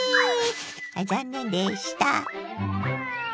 あっ残念でした。